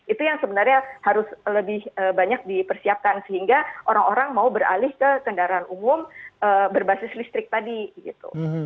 itu yang sebenarnya harus lebih banyak dipersiapkan sehingga orang orang mau beralih ke kendaraan umum berbasis listrik tadi gitu